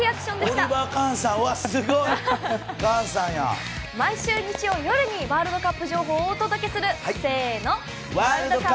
すごい。毎週日曜夜にワールドカップ情報をお届けするせーの。